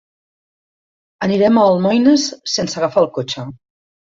Anirem a Almoines sense agafar el cotxe.